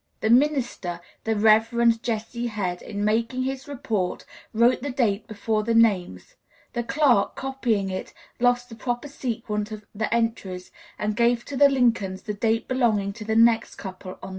The minister, the Rev. Jesse Head, in making his report, wrote the date before the names; the clerk, copying it, lost the proper sequence of the entries, and gave to the Lincolns the date belonging to the next couple on the list.